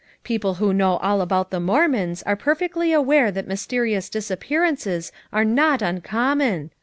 People who know all about the Mormons are per fectly aware that mysterious disappearances are not uncommon.